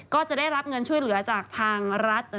ก็จะได้รับเงินช่วยเหลือจากทางรัฐ